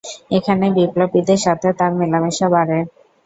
এখানেই বিপ্লবীদের সাথে তার মেলামেশা বাড়ে।